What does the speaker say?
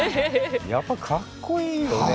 やっぱりかっこいいよね。